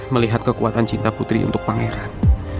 melihat kekuatan cinta putri untuk pangeran